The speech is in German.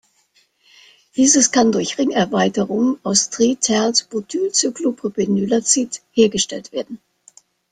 Dieses kann durch Ringerweiterung aus Tri-"tert"-butylcyclopropenylazid hergestellt werden.